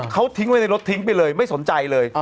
เขาทิ้งไว้ในรถทิ้งไปเลยไม่สนใจเลย